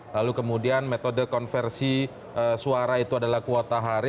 lalu kemudian metode konversi suara itu adalah kuota hari